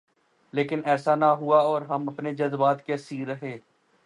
لیکن ایسا نہ ہوا اور ہم اپنے جذبات کے اسیر رہے۔